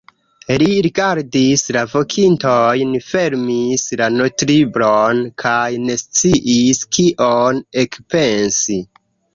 Li rigardis la vokintojn, fermis la notlibron kaj ne sciis, kion ekpensi.